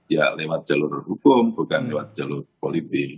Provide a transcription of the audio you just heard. ya lewat jalur hukum bukan lewat jalur politik